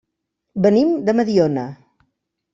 Venim de Mediona.